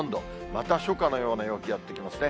また初夏のような陽気やって来ますね。